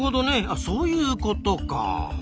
あそういうことか。